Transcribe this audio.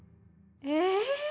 え。